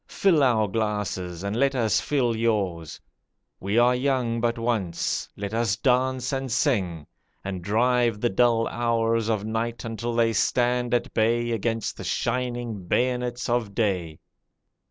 Fill our glasses and let us fill yours. We are young but once; let us dance and sing, And drive the dull hours of night until they stand at bay Against the shining bayonets of day.